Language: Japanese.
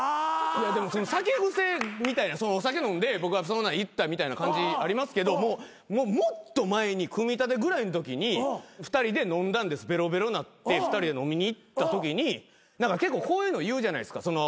いやでも酒癖みたいなお酒飲んで僕が言ったみたいな感じありますけどもっと前に組みたてぐらいのときに２人で飲んだんですベロベロなって２人で飲みに行ったときに何か結構こういうの言うじゃないですか。